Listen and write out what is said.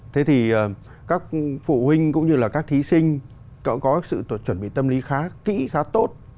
thế thì các phụ huynh cũng như là các thí sinh có sự chuẩn bị tâm lý khá kỹ khá tốt